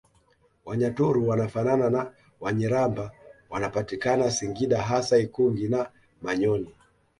Wanyaturu wanafanana na Wanyiramba wanapatikana singida hasa ikungi na manyoni